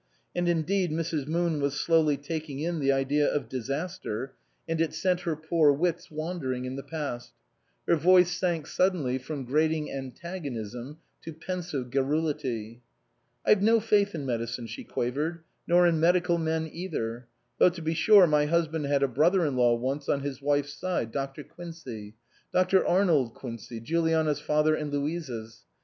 And indeed Mrs. Moon was slowly taking in the idea of disaster, and it 232 BASTIAN CAUTLEY, M.D sent her poor wits wandering in the past. Her voice sank suddenly from grating antagonism to pensive garrulity. "I've no faith in medicine," she quavered, " nor in medical men either. Though to be sure my husband had a brother in law once on his wife's side, Dr. Quincey, Dr. Arnold Quincey, Juliana's father and Louisa's.